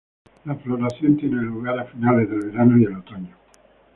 La floración tiene lugar a finales del verano y el otoño.